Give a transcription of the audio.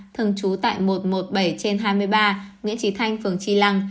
thường trú tại một trăm một mươi bảy trên hai mươi ba nguyễn trí thanh phường tri lăng